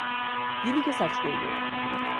কী লিখে সার্চ করবো?